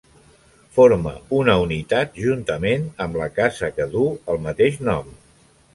Forma una unitat juntament amb la casa que duu el mateix nom.